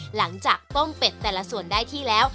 หลังจากต้มเป็ดแต่ละส่วนได้ที่แล้ว